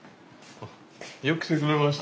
よく来てくれました。